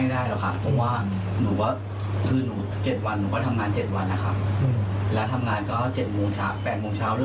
เพราะว่าเป็นลูกพี่ลูกน้องกันแล้วเสพเมถุนมันก็อย่างไรอยู่นะครับ